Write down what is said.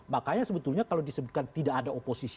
makanya sebetulnya kalau disebutkan tidak ada oposisi